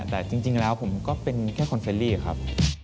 แต่จริงแล้วผมก็เป็นแค่คนเฟรลี่ครับ